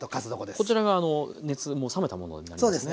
こちらが熱もう冷めたものになりますね。